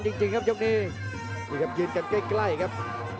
ดีครับยืนกันใกล้ครับ